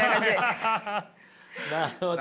なるほど。